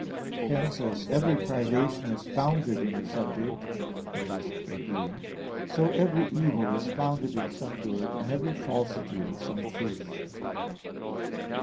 Hence, as every privation is founded in a subject, that is a being, so every evil is founded in some good, and every falsity in some truth.